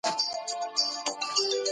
سرمایه داري باید کنټرول سي.